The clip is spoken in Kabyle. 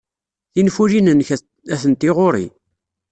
Tinfulin-nnek atenti ɣer-i.